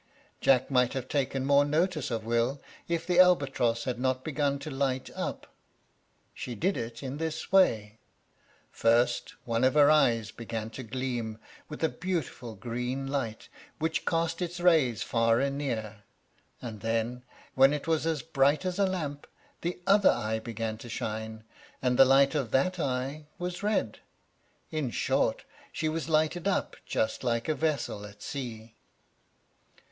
Jack might have taken more notice of Will, if the albatross had not begun to light up. She did it in this way. First, one of her eyes began to gleam with a beautiful green light, which cast its rays far and near, and then, when it was as bright as a lamp, the other eye began to shine, and the light of that eye was red. In short, she was lighted up just like a vessel at sea.